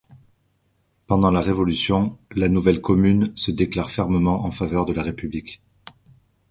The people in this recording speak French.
Pendant la Révolution, la nouvelle commune se déclare fermement en faveur de la république.